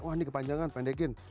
wah ini kepanjangan pendekin